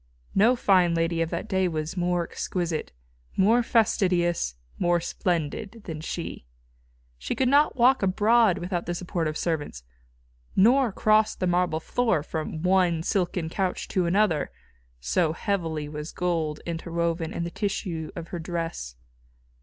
No fine lady of that day was more exquisite, more fastidious, more splendid than she. She could not walk abroad without the support of servants, nor cross the marble floor from one silken couch to another, so heavily was gold interwoven in the tissue of her dresses.